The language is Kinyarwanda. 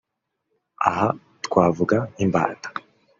Aha twavuga nk’imbata